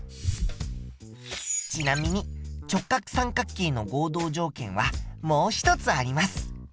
ちなみに直角三角形の合同条件はもう一つあります。